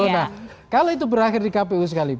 kalau itu berakhir di kpu